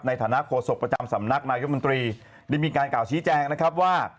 ในฐานะโฆษกประจำสำนักนายมนตรีได้มีการกล่าชี้แจงนะครับว่า